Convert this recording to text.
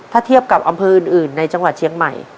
ถ้าเทียบกับอำเภออื่นในจังหวัดเชียงใหม่